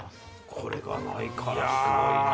これがないからすごいな。